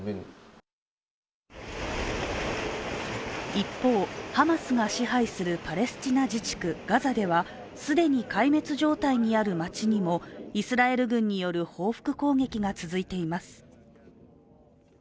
一方、ハマスが支配するパレスチナ自治区ガザでは既に壊滅状態にある町にもイスラエル軍による報復攻撃が続いています。